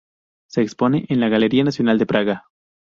Se expone en la Galería Nacional de Praga.